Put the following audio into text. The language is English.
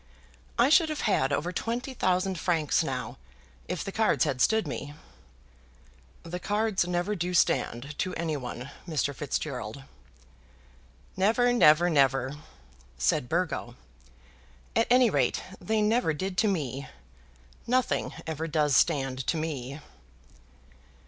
I should have had over twenty thousand francs now, if the cards had stood to me." "The cards never do stand to any one, Mr. Fitzgerald." "Never; never, never!" said Burgo. "At any rate, they never did to me. Nothing ever does stand to me."